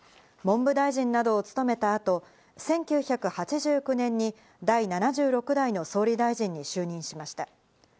文部大臣などを務めた後、１９８９年に第７６代の総理大臣に就任しました。